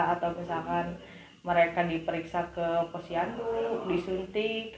atau misalkan mereka diperiksa ke posyandu disuntik